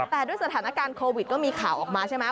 แต่ด้วยสถานการณ์โควิดก็มีข่าวออกมาใช่ไหม